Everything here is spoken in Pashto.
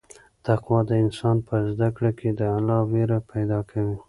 تقوا د انسان په زړه کې د الله وېره پیدا کوي.